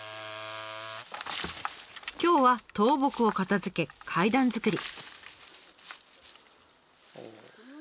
今日は倒木を片づけ階段作り。